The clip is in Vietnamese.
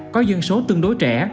có dân số tương đối trẻ